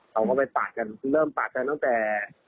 เขาก็ไปปาดกันเริ่มปาดกันตั้งแต่